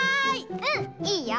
うんいいよ！